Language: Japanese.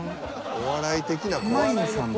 お笑い的な怖さ。